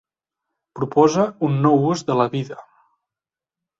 Propose un nou ús de la vida.